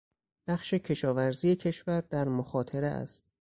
بخش کشاورزی کشور در مخاطره است.